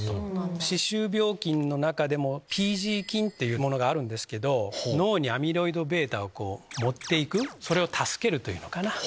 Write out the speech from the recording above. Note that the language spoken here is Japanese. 歯周病菌の中でもＰ．ｇ．菌というのがあるんですけど脳にアミロイドβを持っていくそれを助けるというのかな。